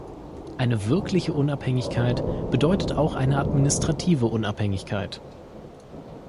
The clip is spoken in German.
Eine wirkliche Unabhängigkeit bedeutet auch eine administrative Unabhängigkeit.